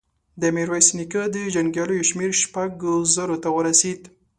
د ميرويس نيکه د جنګياليو شمېر شپږو زرو ته ورسېد.